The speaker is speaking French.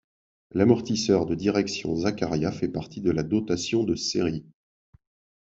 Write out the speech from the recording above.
L'amortisseur de direction Zaccaria fait partie de la dotation de série.